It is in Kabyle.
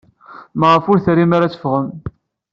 Maɣef ur trim ara ad teffɣem?